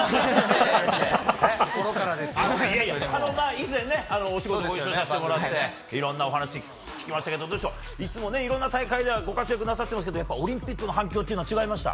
以前、お仕事ご一緒させていただいていろんなお話を聞きましたけどいつもいろいろな大会でご活躍なさっていますがオリンピックの反響というのは違いました？